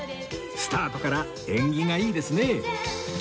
スタートから縁起がいいですね